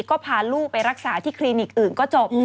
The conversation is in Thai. ก็พาลูกไปรักษาที่คลินิกอื่นก็จบ